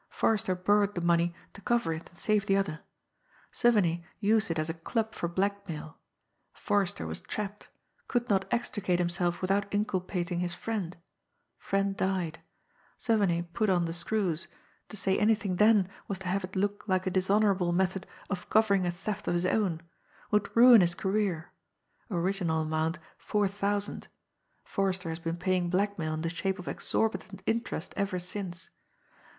Forrester borrowed the money to cover it and save the other.... Suviney used it as a club for blackmail.... Forrester was trapped ... could not extricate himself without inculpating his friend ... friend died ... Suviney put on the screws ... to say anything then was to have it look like a dishonourable method of covering a theft of his own ... would ruin his career ... original amount four thousand ... Forrester has been paying blackmail in the shape of exorbitant interest ever since